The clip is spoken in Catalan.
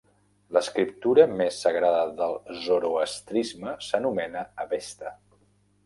L"escriptura més sagrada del zoroastrisme s"anomena avesta.